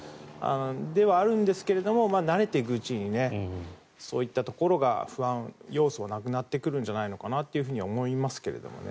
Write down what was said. ではあるんですが慣れていくうちにそういったところが不安要素なくなってくるんじゃないかと思うんですがね。